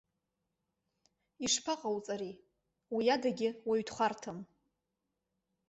Ишԥаҟауҵари, уи адагьы уаҩ дхәарҭам.